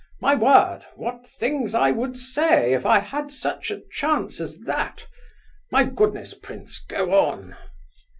My word, what things I would say if I had such a chance as that! My goodness, prince—go on!"